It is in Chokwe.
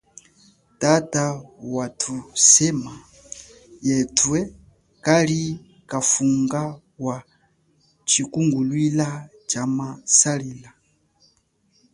Tata wathusema yethu kali kafunga wa tshikunguluila tshama salila.